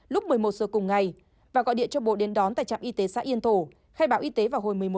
lúc một mươi một giờ cùng ngày và gọi điện cho bộ đến đón tại trạm y tế xã yên tổ khai báo y tế vào hồi một mươi một giờ ba mươi